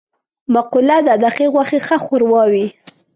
مقوله ده: د ښې غوښې ښه شوروا وي.